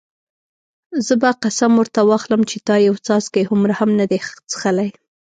زه به قسم ورته واخلم چې تا یو څاڅکی هومره هم نه دی څښلی.